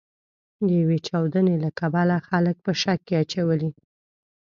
د یوې چاودنې له کبله خلک په شک کې اچولي.